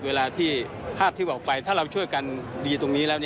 เวลาที่ภาพที่บอกไปถ้าเราช่วยกันดีตรงนี้แล้ว